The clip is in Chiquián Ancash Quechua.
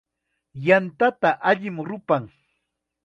Yantata allim rupan.